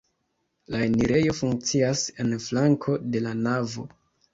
La enirejo funkcias en flanko de la navo.